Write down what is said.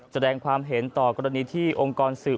แสดงความเห็นต่อกรณีที่องค์กรสื่อ